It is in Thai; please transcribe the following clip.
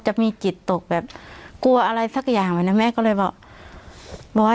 จะมีจิตตกแบบกลัวอะไรสักอย่างแบบนั้นแม่ก็เลยบอก